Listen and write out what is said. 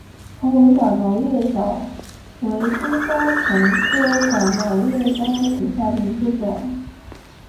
横纹寡毛叶蚤为金花虫科寡毛叶蚤属下的一个种。